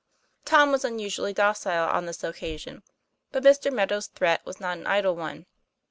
Tom was unusually docile on this occasion. But Mr. Meadow's threat was not an idle one.